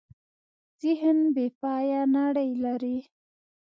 ذهن بېپایه نړۍ لري.